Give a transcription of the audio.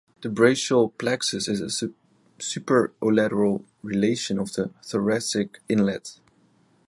The brachial plexus is a superolateral relation of the thoracic inlet.